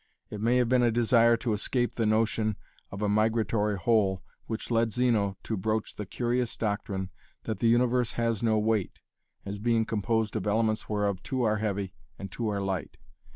It may have been a desire to escape the notion of a migratory whole which led Zeno to broach the curious doctrine that the universe has no weight, as being composed of elements whereof two are heavy and two are light.